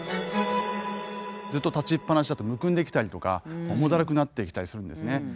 ずっと立ちっぱなしだとむくんできたりとか重だるくなってきたりするんですね。